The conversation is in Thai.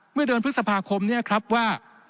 เมื่อเดือนพฤษภาคมเนี่ยครับว่า